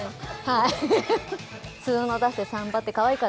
はい。